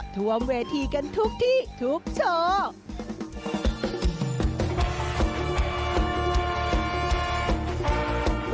ท่วมเวทีกันทุกที่ทุกโชว์